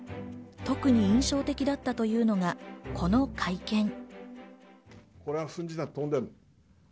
特に印象的だったというのが、この会見。